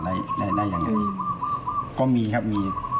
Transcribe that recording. ว่าวันมันเกิดที่แล้วกัน